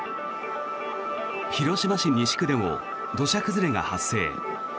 広島市西区でも土砂崩れが発生。